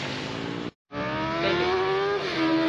Belê.